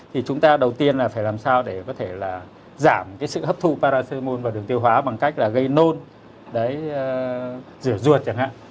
thì chúng ta đầu tiên là phải làm sao để có thể là giảm cái sự hấp thu parasomun vào đường tiêu hóa bằng cách là gây nôn rửa ruột chẳng hạn